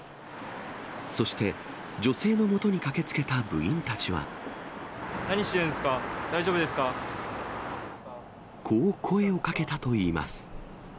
そして、女性のもとに駆けつけた何してるんですか、大丈夫でこう声をかけたといいます。